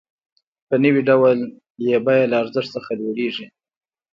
په نوي ډول یې بیه له ارزښت څخه لوړېږي